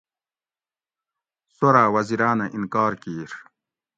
سوراۤ وزیراۤن اۤ انکار کِیر